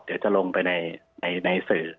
เดี๋ยวจะลงไปในสื่อ